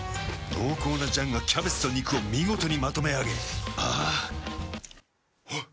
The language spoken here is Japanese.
濃厚な醤がキャベツと肉を見事にまとめあげあぁあっ。